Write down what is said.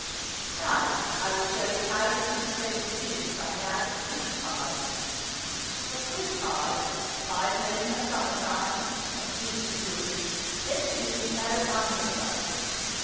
Now I will show you how you can prevent the juice running out of fruit pies. For fruit pies pies made in the summer time, of juicy fruits better use no under crust.